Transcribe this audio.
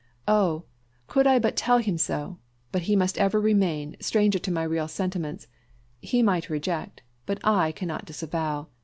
Oh! could I but tell him so; but he must ever remain, stranger to my real sentiments he might reject but I cannot disavow!